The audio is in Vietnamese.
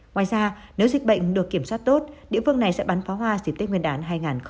ngoài ra nếu dịch bệnh được kiểm soát tốt địa phương này sẽ bắn pháo hoa dịp tết nguyên đán hai nghìn hai mươi